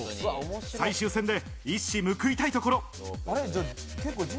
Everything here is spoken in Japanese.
最終戦で一矢報いたいところ。